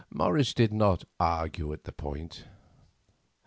Morris did not argue the point.